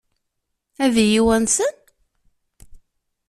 Ad iyi-wansen?